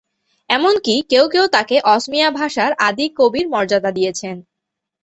এমন কি কেউ কেউ তাকে অসমীয়া ভাষার আদি কবির মর্যাদা দিয়েছেন।